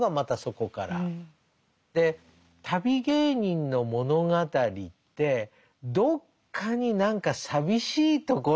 で旅芸人の物語ってどっかに何か寂しいところがあるじゃないですか。